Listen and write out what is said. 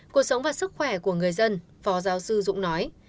cuộc sống và sức khỏe của người dân phó giáo sư dũng nói